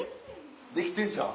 できてんちゃう？